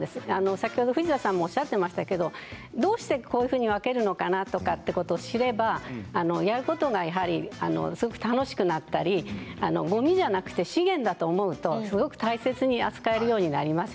先ほど藤田さんもおっしゃっていましたけれどどうしてこのように分けるのかなということを知ればやることがやはりすごく楽しくなったりごみではなく資源だと思うと大切に扱うようになります。